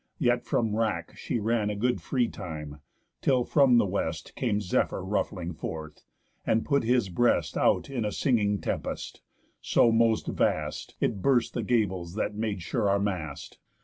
Yet from wrack She ran a good free time, till from the West Came Zephyr ruffling forth, and put his breast Out in a singing tempest, so most vast It burst the gables that made sure our mast.